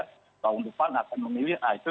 tahun depan akan memilih ah itu